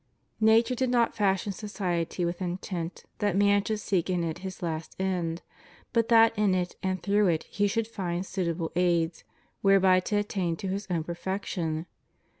Nature did not fashion society with intent that man should seek in it his last end, but that in it and through it he should find suit able aids whereby to attain to his own perfection.